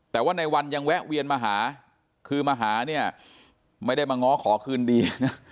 แต่ว่าในวันยังแวะเวียนมาหาคือมาหาเนี่ยไม่ได้มาง้อขอคืนดีนะ